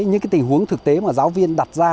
những tình huống thực tế mà giáo viên đặt ra